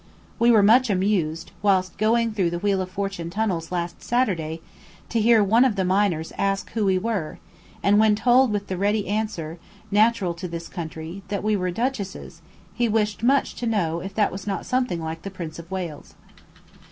We were much amused, whilst going through the Wheel of Fortune tunnels last Saturday, to hear one of the miners ask who we were, and when told with the ready answer, natural to this country, that "we were Duchesses," he wished much to know if that was not something like the Prince of Wales.